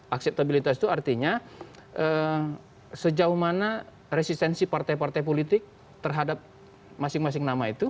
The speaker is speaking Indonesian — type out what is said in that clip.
akseptabilitas itu artinya sejauh mana resistensi partai partai politik terhadap masing masing nama itu